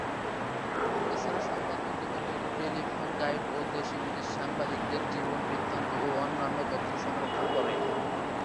এছাড়া সংবাদ মাধ্যমের জন্য টেলিফোন গাইড ও দেশি-বিদেশি সাংবাদিকদের জীবন বৃত্তান্ত ও অন্যান্য তথ্য সংরক্ষণ করে।